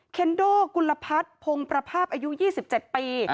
เคนโดกุลพัฒน์พงประภาพอายุ๒๗ปี